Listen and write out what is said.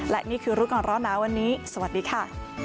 และนี่คือรู้ก่อนร้อนหนาวันนี้สวัสดีค่ะ